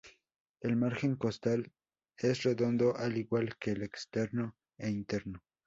El margen costal es redondo al igual que el externo e interno.